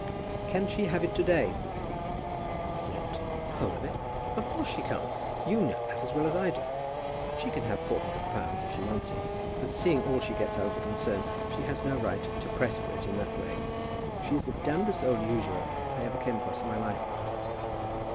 "Can she have it to day?" "What, the whole of it? Of course she can't. You know that as well as I do. She can have four hundred pounds, if she wants it. But seeing all she gets out of the concern, she has no right to press for it in that way. She is the old usurer I ever came across in my life."